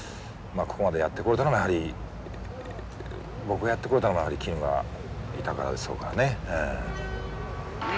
まあここまでやってこれたのもやはり僕がやってこれたのはやはりキヌがいたからでしょうからね。